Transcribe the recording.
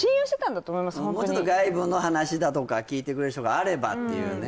ホントにもうちょっと外部の話だとか聞いてくれる人があればっていうね